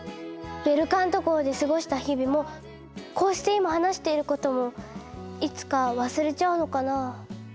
ベルカント号で過ごした日々もこうして今話していることもいつか忘れちゃうのかな？